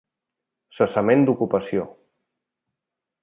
Cessament d'ocupació.